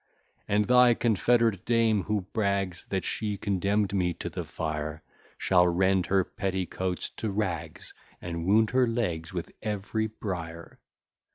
"And thy confederate dame, who brags That she condemn'd me to the fire, Shall rend her petticoats to rags, And wound her legs with every brier.